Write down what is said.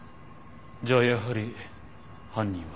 じゃあやはり犯人は２人。